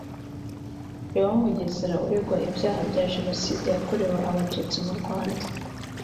Léon Mugesera uregwa ibyaha bya Jenoside yakorewe Abatutsi mu Rwanda